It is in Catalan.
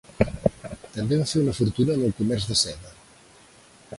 També va fer una fortuna en el comerç de seda.